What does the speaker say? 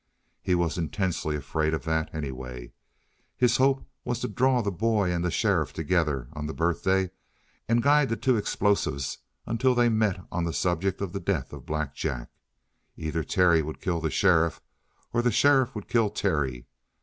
He was intensely afraid of that, anyway. His hope was to draw the boy and the sheriff together on the birthday and guide the two explosives until they met on the subject of the death of Black Jack. Either Terry would kill the sheriff, or the sheriff would kill Terry.